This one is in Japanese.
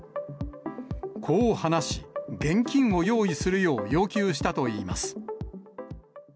こう話し、現金を用意するよう要求したといいます。